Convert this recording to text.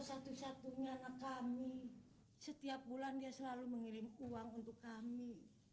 satu satunya anak kami setiap bulan dia selalu mengirim uang untuk kami